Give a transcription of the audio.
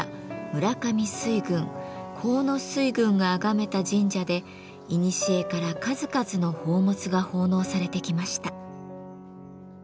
村上水軍河野水軍があがめた神社でいにしえから数々の宝物が奉納されてきました。